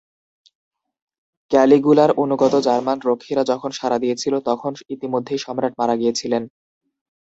ক্যালিগুলার অনুগত জার্মান রক্ষীরা যখন সাড়া দিয়েছিল, তখন ইতিমধ্যেই সম্রাট মারা গিয়েছিলেন।